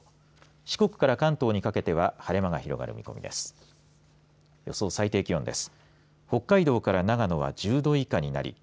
四国から関東にかけては晴れ間が広がる見込みです。